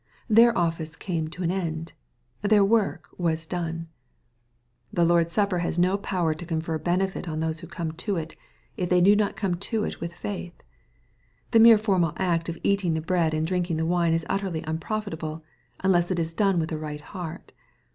Their office came to an end. Their work was done. The Lord's Supper has no power to confer benefit on those who come to it, if they do not come to it with faith. The mere formal act of eating the bread and drinking the wine is utterly unprofitable, unless it is done with a right heart.